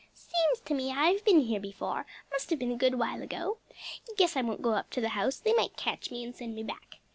"Seems to me I've been here before; must have been a good while ago. Guess I won't go up to the house; they might catch me and send me back.